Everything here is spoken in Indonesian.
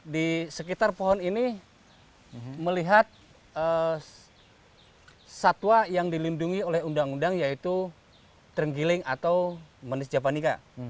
di sekitar pohon ini melihat satwa yang dilindungi oleh undang undang yaitu terenggiling atau manis japanika